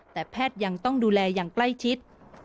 แต่แพทย์ยังต้องดูแลอย่างใกล้ชิด